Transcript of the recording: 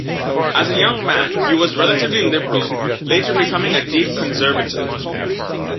As a young man he was relatively liberal, later becoming a deep conservative.